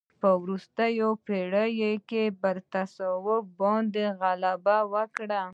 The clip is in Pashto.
په وروستیو پېړیو کې پر تصوف باندې غلبه وکړه.